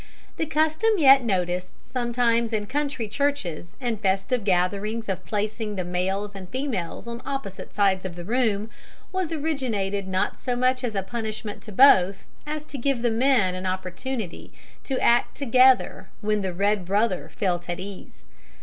The custom yet noticed sometimes in country churches and festive gatherings of placing the males and females on opposite sides of the room was originated not so much as a punishment to both, as to give the men an opportunity to act together when the red brother felt ill at ease.